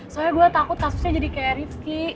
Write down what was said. soalnya gue takut kasusnya jadi kayak rivki